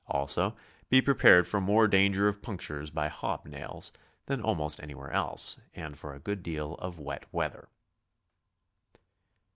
Also be prepared for more danger of punctures by hob nails than almost anywhere else, and for a good deal of wet weather.